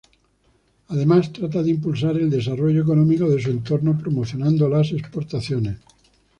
Además, trata de impulsar el desarrollo económico de su entorno, promocionando las exportaciones.